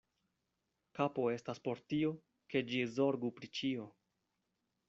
Kapo estas por tio, ke ĝi zorgu pri ĉio.